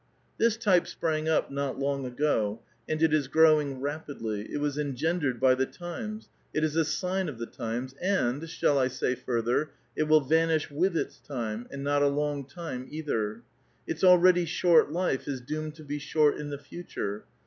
This type sprang up not long ago, and it is growing ^^apidly. It was^ engendered by the times, it is a sign of the times, and, shall I say further, it will vanish with its time, ^^ nd not a long time either. Its already short life is doomed t;o be short in the future.